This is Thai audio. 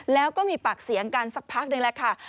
แล้วก็มีปากเสียงกันสักพักหนึ่งแหละค่ะ